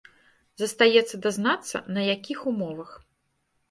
Застаецца дазнацца, на якім умовах.